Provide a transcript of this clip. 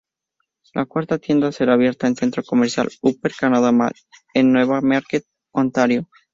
La cuarta tienda será abierta en centro comercial Upper Canada Mall, en Newmarket, Ontario.